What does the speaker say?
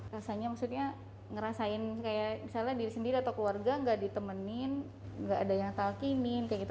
rasanya maksudnya ngerasain kayak misalnya diri sendiri atau keluarga gak ditemenin nggak ada yang talkinin kayak gitu